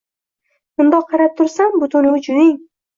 Mundoq qarab tursam, butun vujuding